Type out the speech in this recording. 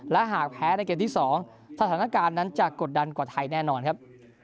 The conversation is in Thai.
และหากแพ้ในเกมที่๒สถานการณ์นั้นจะกดดันกว่าไทยแน่นอนครับ